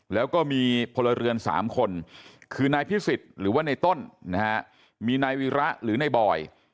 แล้วก็มีพลเรือน๓คนคือนายพิสิทธิ์หรือว่าในต้นนะฮะมีนายวีระหรือในบอย